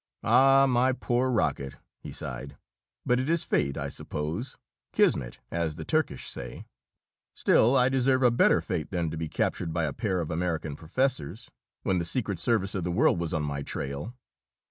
"Ah, my poor rocket!" he sighed. "But it is fate, I suppose; Kismet, as the Turkish say. Still, I deserved a better fate than to be captured by a pair of American professors, when the secret service of the world was on my trail."